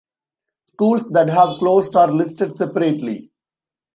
Schools that have closed are listed separately.